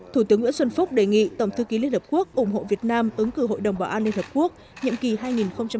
thủ tướng nguyễn xuân phúc đề nghị tổng thư ký liên hợp quốc ủng hộ việt nam ứng cử hội đồng bảo an liên hợp quốc nhiệm kỳ hai nghìn hai mươi hai nghìn hai mươi một